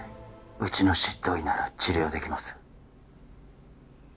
うちの執刀医なら治療できます